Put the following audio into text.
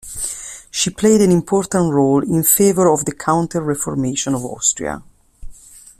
She played an important role in favor of the counter reformation in Austria.